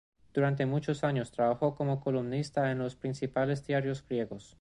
Durante muchos años trabajó como columnista en los principales diarios griegos.